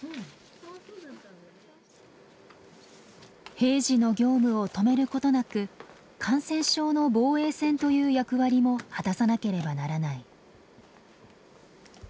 平時の業務を止めることなく感染症の防衛線という役割も果たさなければならない。